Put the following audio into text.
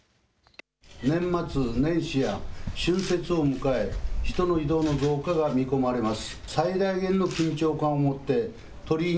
年末年始や春節を迎え、人の移動の増加が見込まれます。